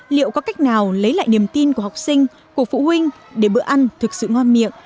liệu có cách nào lấy lại niềm tin của học sinh của phụ huynh để bữa ăn thực sự ngon miệng